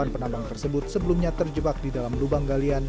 delapan penambang tersebut sebelumnya terjebak di dalam lubang galian